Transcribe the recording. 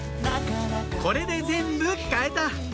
これで全部買えた！